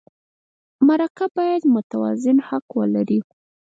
مرکه باید متوازن حق ولري.